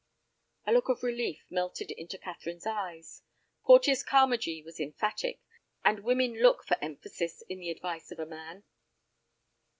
A look of relief melted into Catherine's eyes. Porteus Carmagee was emphatic, and women look for emphasis in the advice of a man.